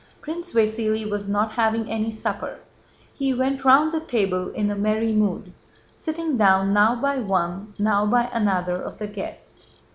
Prince Vasíli was not having any supper: he went round the table in a merry mood, sitting down now by one, now by another, of the guests.